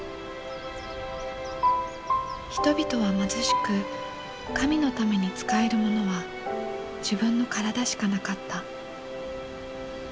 人々は貧しく神のために使えるものは自分の体しかなかった。